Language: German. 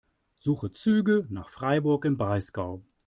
Suche Züge nach Freiburg im Breisgau.